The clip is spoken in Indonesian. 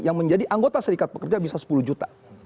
yang menjadi anggota serikat pekerja bisa sepuluh juta